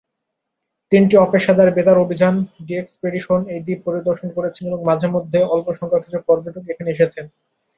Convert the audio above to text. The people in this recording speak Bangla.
তিনটি অপেশাদার বেতার অভিযান "ডিএক্স-পেডিশন" এই দ্বীপ পরিদর্শন করেছেন এবং মাঝেমধ্যে অল্প সংখ্যক কিছু পর্যটক এখানে এসেছেন।